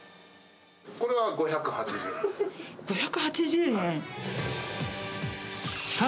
これは５８０円です。